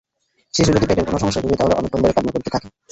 শিশু যদি পেটের কোনো সমস্যায় ভোগে তাহলে অনেকক্ষণ ধরে কান্না করতে থাকে।